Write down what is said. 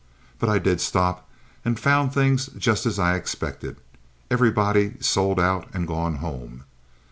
But I did stop, and found things just as I expected, everybody sold out and gone home.